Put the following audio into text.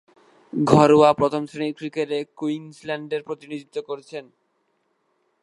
ঘরোয়া প্রথম-শ্রেণীর ক্রিকেটে কুইন্সল্যান্ডের প্রতিনিধিত্ব করেছেন।